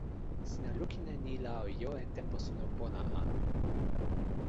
sina lukin e ni la o jo e tenpo suno pona a!